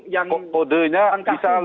yang mode nya bisa jadi